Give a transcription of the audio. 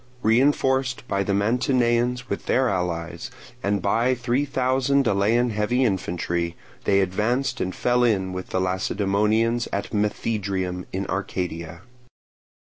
Reinforced by the Mantineans with their allies, and by three thousand Elean heavy infantry, they advanced and fell in with the Lacedaemonians at Methydrium in Arcadia.